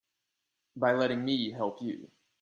By letting me help you.